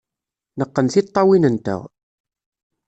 Neqqen tiṭṭawin-nteɣ.